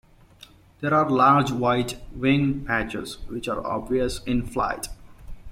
There are large white wing patches, which are obvious in flight.